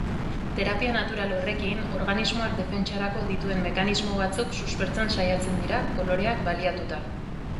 Terapia natural horrekin organismoak defentsarako dituen mekanismo batzuk suspertzen saiatzen dira koloreak baliatuta.